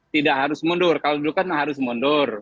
tidak harus mundur kalau dulu kan harus mundur